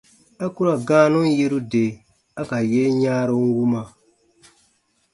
A ku ra gãanun yeru de a ka yen yãaru wuma.